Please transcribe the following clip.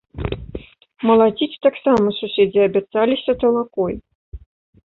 Малаціць таксама суседзі абяцаліся талакой.